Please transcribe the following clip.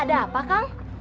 ada apa kang